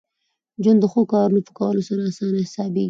ژوند د ښو کارونو په کولو سره اسانه حسابېږي.